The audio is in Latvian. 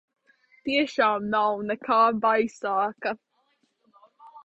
Tiešām nav nekā baisāka?